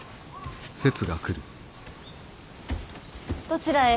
どちらへ。